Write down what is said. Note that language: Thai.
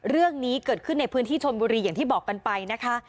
เรื่องนี้เกิดขึ้นในพื้นที่ชนบุรีอย่างที่บอกกันไปนะคะ